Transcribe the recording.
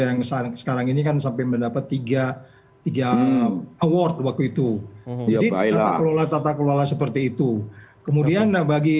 yang sangat sekarang ini kan sampai mendapat tiga puluh tiga award waktu itu ya baiklah seperti itu kemudian